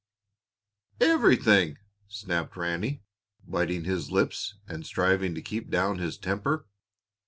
"Everything!" snapped Ranny, biting his lips and striving to keep down his temper.